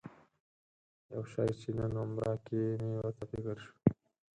یو شي چې نن عمره کې مې ورته فکر شو.